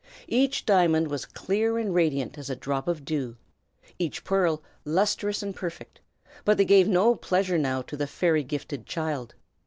Each diamond was clear and radiant as a drop of dew, each pearl lustrous and perfect; but they gave no pleasure now to the fairy gifted child.